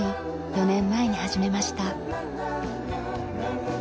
４年前に始めました。